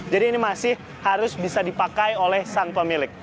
jadi ini masih harus bisa dipakai oleh sang pemilik